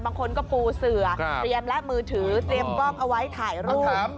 บางคนก็ปูเสือเตรียมและมือถือเตรียมกล้องเอาไว้ถ่ายรูป